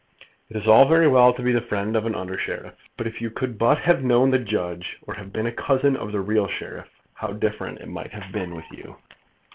It is all very well to be the friend of an under sheriff, but if you could but have known the judge, or have been a cousin of the real sheriff, how different it might have been with you!